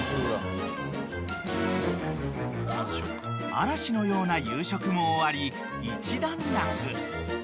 ［嵐のような夕食も終わり一段落］